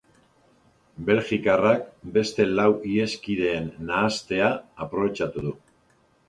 Belgikarrak beste lau iheskideen nahastea aprobetxatu du.